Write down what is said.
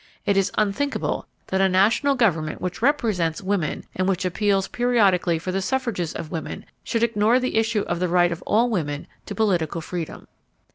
It is unthinkable that a national government which represents women, and which appeals periodically for the suffrages of women, should ignore the issue of the right of all women to political freedom.